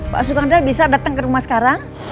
pak sukamdra bisa datang ke rumah sekarang